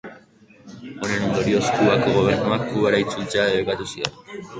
Honen ondorioz Kubako gobernuak Kubara itzultzea debekatu zion.